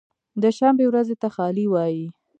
د شنبې ورځې ته خالي وایی